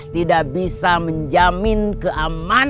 tidak bisa menjamin keamanan